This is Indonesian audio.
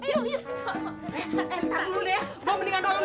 eh entar dulu deh gue mendingan tolong